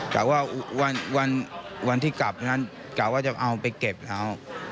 คับว่าวันที่กลับจะเอาไปเก็บแล้ว